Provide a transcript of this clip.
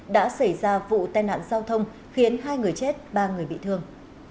đã xảy ra vụ tên hạn giao thông khiến hai người chết ba người bị thương